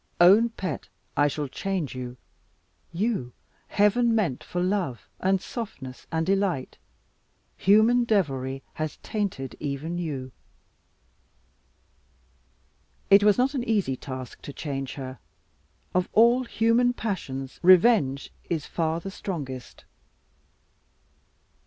Own pet, I shall change you. You heaven meant for love, and softness, and delight: human devilry has tainted even you. It was not an easy task to change her. Of all human passions revenge is far the strongest.